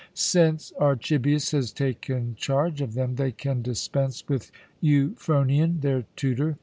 "Since Archibius has taken charge of them, they can dispense with Euphronion, their tutor.